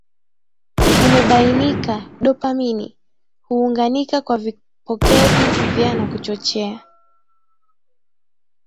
umebainika Dopamini huunganika kwa vipokezi vya na kuchochea